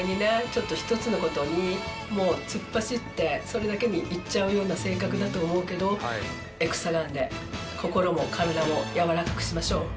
ちょっと一つの事に突っ走ってそれだけにいっちゃうような性格だと思うけどエクサガンで心も体もやわらかくしましょう。